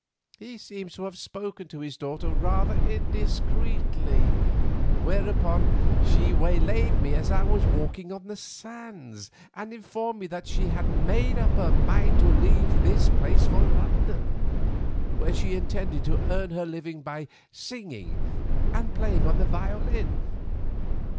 He seems to have spoken to his daughter rather indiscreetly, whereon she waylaid me as I was walking on the sands and informed me that she had made up her mind to leave this place for London, where she intended to earn her own living by singing and playing on the violin.